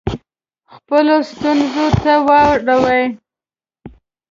خپلو ستونزو ته واړوي.